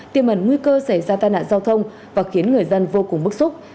tiềm ẩn nguy cơ xảy ra tai nạn giao thông và khiến người dân vô cùng bức xúc